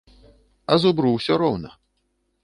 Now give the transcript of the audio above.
А зубру ўсё роўна.